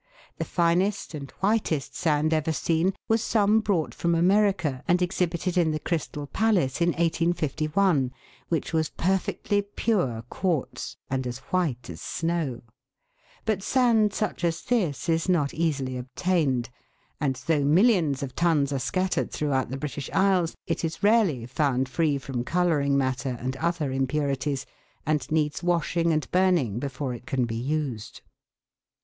The finest and whitest sand ever seen was some brought from America and exhibited in the Crystal Palace, in 1851, which was perfectly pure quartz and as white as snow ; but sand such as this is not easily obtained, and, though millions of tons are scattered throughout the British Isles, it is rarely found free from colouring matter and other impurities, and needs washing and burning before it can be used.